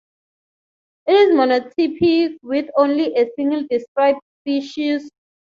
It is monotypic, with only a single described species Crocodilurus amazonicus, the crocodile tegu.